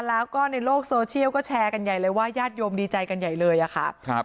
แล้วก็ในโลกโซเชียลก็แชร์กันใหญ่เลยว่าญาติโยมดีใจกันใหญ่เลยอะค่ะครับ